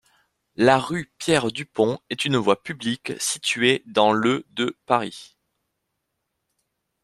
La rue Pierre Dupont est une voie publique située dans le de Paris.